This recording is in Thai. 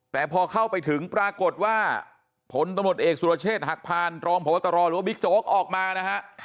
แต่พอเข้าไปถึงปรากฏว่าผลตำรวจเอกสุรเชษฐ์หักพานรองพบตรหรือว่าบิ๊กโจ๊กออกมานะฮะ